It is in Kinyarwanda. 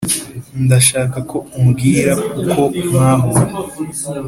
ndashaka ko umbwira uko mwahuye